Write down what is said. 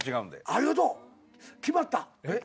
ありがとう決まった。